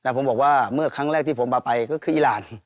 ผมบอกว่าเมื่อครั้งแรกที่ผมพาไปก็คืออีราน